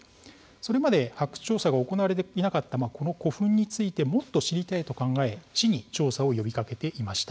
それまで発掘調査が行われていなかったこの古墳についてもっと知りたいと考えて市に調査を呼びかけていました。